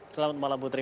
selamat malam putri